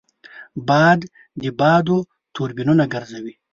باد د بادو توربینونه ګرځوي